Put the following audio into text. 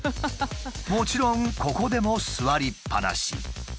もちろんここでも座りっぱなし。